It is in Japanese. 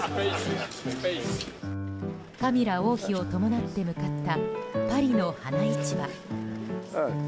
カミラ王妃を伴って向かったパリの花市場。